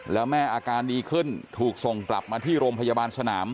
แล้วแม่อาการดีขึ้นถูกส่งกลับมาที่โรงพยาบาลสนาม